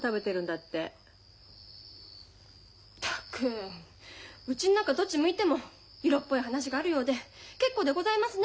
ったくうちん中どっち向いても色っぽい話があるようで結構でございますね。